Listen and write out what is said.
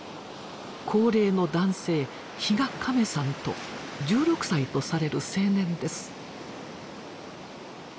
高齢の男性比嘉亀さんと１６歳とされる青年です。